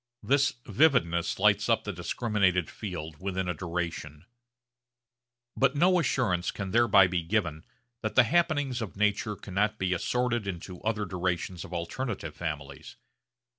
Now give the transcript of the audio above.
This vividness lights up the discriminated field within a duration. But no assurance can thereby be given that the happenings of nature cannot be assorted into other durations of alternative families.